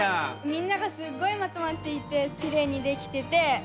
みんながすごいまとまっていてきれいにできててうれしかったです。